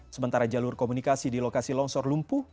sementara jalur komunikasi di lokasi longsor lumpuh